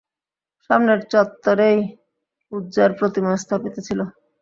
সামনের চত্বরেই উযযার প্রতিমা স্থাপিত ছিল।